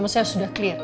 emosinya sudah clear